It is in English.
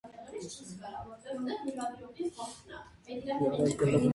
The event was held at Wedgewood Golf Club in Port Elizabeth.